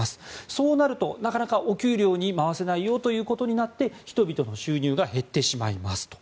そうなると、なかなかお給料に回せないということになって人々の収入が減ってしまいますと。